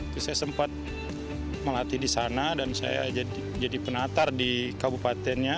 terus saya sempat melatih di sana dan saya jadi penatar di kabupatennya